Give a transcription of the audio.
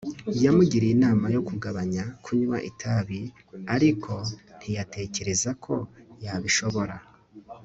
yamugiriye inama yo kugabanya kunywa itabi, ariko ntiyatekereza ko yabishobora